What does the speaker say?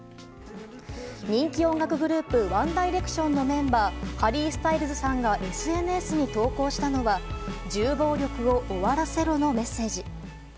人気音楽グループワン・ダイレクションのメンバーハリー・スタイルズさんがＳＮＳに投稿したのは「銃暴力を終わらせろ」のメッセージ。